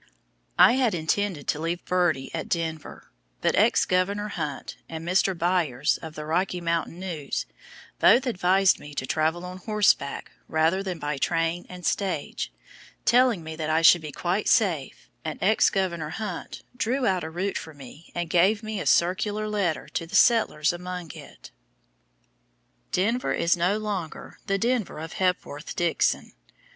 I had intended to leave Birdie at Denver, but Governor Hunt and Mr. Byers of the Rocky Mountain News both advised me to travel on horseback rather than by train and stage telling me that I should be quite safe, and Governor Hunt drew out a route for me and gave me a circular letter to the settlers along it. Denver is no longer the Denver of Hepworth Dixon.